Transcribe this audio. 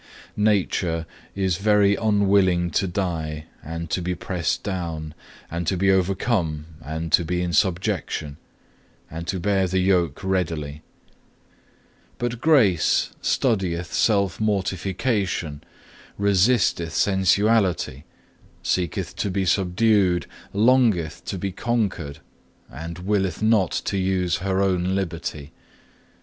3. "Nature is very unwilling to die, and to be pressed down, and to be overcome, and to be in subjection, and to bear the yoke readily; but Grace studieth self mortification, resisteth sensuality, seeketh to be subdued, longeth to be conquered, and willeth not to use her own liberty.